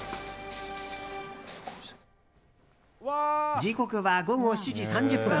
時刻は午後７時３０分。